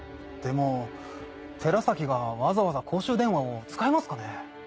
でも寺崎がわざわざ公衆電話を使いますかね。